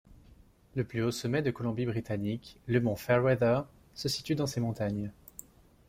Le plus haut sommet de Colombie-Britannique, le mont Fairweather, se situe dans ces montagnes.